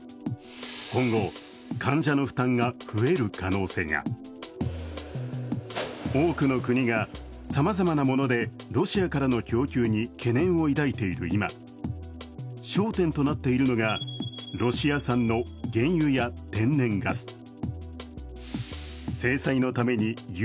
今後、患者の負担が増える可能性が多くの国がさまざまなものでロシアからの供給に懸念を抱いている今焦点となっているのがロシア産の原油や天然ガス。